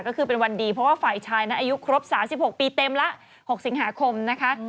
ก็คือเป็นวันดีเพราะว่าฝ่ายชายนั้นอายุครบ๓๖ปีเต็มละ๖สิงหาคมนะคะ